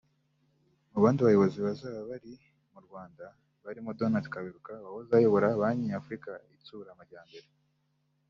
Mu bandi bayobozi bazaba bari mu Rwanda barimo Dr Donald Kaberuka wahoze ayobora Banki Nyafurika Itsura Amajyambere